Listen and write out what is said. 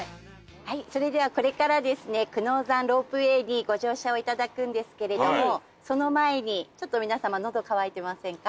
はいそれではこれからですね久能山ロープウェイにご乗車を頂くんですけれどもその前にちょっと皆様のど渇いてませんか？